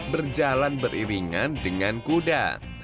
berjalan beriringan dengan kuda